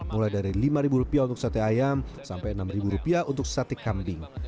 mulai dari lima rupiah untuk sate ayam sampai enam rupiah untuk sate kambing